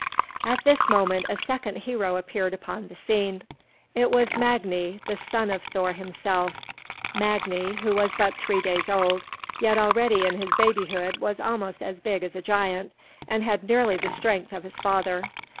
At this moment a second hero appeared upon the scene. It was Magni, the son of Thor himself; Magni, who was but three days old, yet already in his babyhood he was almost as big as a giant and had nearly the strength of his father.